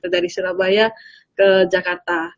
dari surabaya ke jakarta